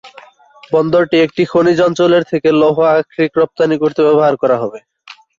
বন্দরটি একটি খনিজ অঞ্চলের থেকে লৌহ আকরিক রপ্তানি করতে ব্যবহার করা হবে।